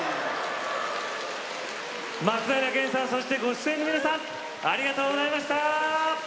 松平健さんそして、ご出演の皆さんありがとうございました。